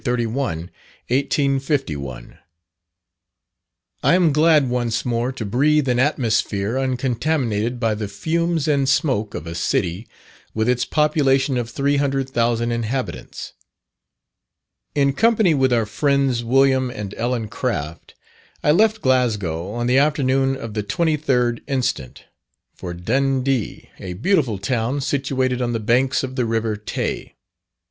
31, 1851_. I am glad once more to breathe an atmosphere uncontaminated by the fumes and smoke of a city with its population of three hundred thousand inhabitants. In company with our friends Wm. and Ellen Craft, I left Glasgow on the afternoon of the 23d inst., for Dundee, a beautiful town situated on the banks of the river Tay.